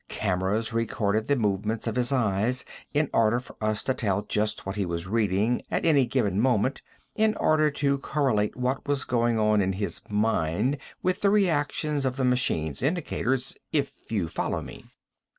Cameras recorded the movements of his eyes in order for us to tell just what he was reading at any given moment, in order to correlate what was going on in his mind with the reactions of the machine's indicators, if you follow me."